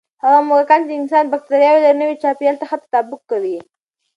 هغه موږکان چې د انسان بکتریاوې لري، نوي چاپېریال ته ښه تطابق کوي.